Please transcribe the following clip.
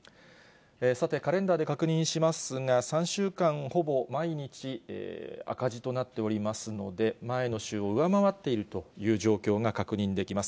さて、カレンダーで確認しますが、３週間、ほぼ毎日、赤字となっておりますので、前の週を上回っているという状況が確認できます。